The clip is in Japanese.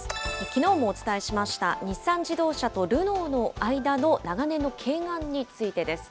きのうもお伝えしました日産自動車とルノーの間の長年の懸案についてです。